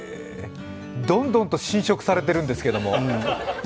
どんどんと浸食されているんですけれども。